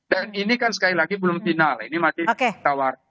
dan ini kan sekali lagi belum final ini masih tawar